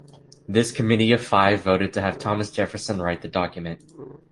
This Committee of Five voted to have Thomas Jefferson write the document.